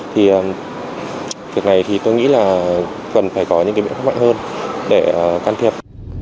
thì việc này thì tôi nghĩ là cần phải có những cái biện pháp mạnh hơn để can thiệp